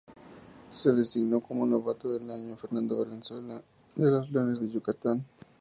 Se designó como novato del año a Fernando Valenzuela de los Leones de Yucatán.